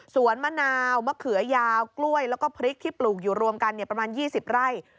มะนาวมะเขือยาวกล้วยแล้วก็พริกที่ปลูกอยู่รวมกันประมาณ๒๐ไร่